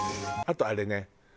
あとあれね。